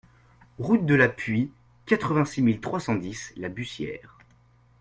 Route de la Puye, quatre-vingt-six mille trois cent dix La Bussière